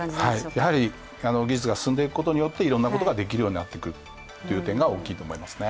やはり、技術が進んでいくことによっていろんなことができるようになっていくという点が大きいと思いますね。